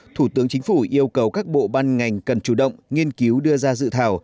thủ tướng chính phủ yêu cầu các bộ ban ngành cần chủ động nghiên cứu đưa ra dự thảo